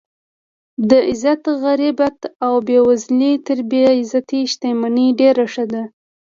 د عزت غربت او بې وزلي تر بې عزته شتمنۍ ډېره ښه ده.